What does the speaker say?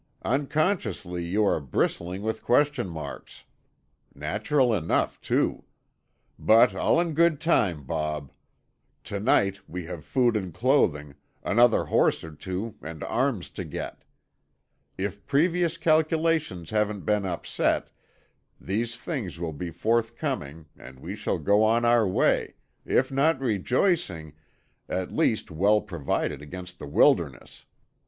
"Unconsciously you are bristling with question marks. Natural enough, too. But all in good time, Bob. To night we have food and clothing, another horse or two and arms to get. If previous calculations haven't been upset, these things will be forthcoming and we shall go on our way—if not rejoicing, at least well provided against the wilderness.